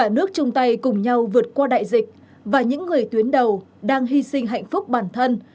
cả nước chung tay cùng nhau vượt qua đại dịch và những người tuyến đầu đang hy sinh hạnh phúc bản thân